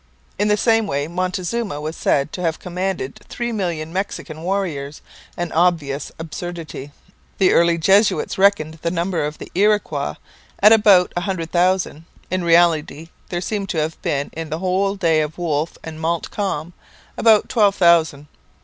In the same way Montezuma was said to have commanded three million Mexican warriors an obvious absurdity. The early Jesuits reckoned the numbers of the Iroquois at about a hundred thousand; in reality there seem to have been, in the days of Wolfe and Montcalm, about twelve thousand.